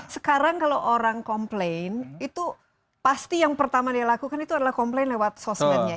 sekarang kalau orang komplain itu pasti yang pertama dia lakukan itu adalah komplain lewat sosmednya